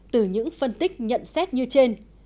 từ những phân tích nhận xét như trên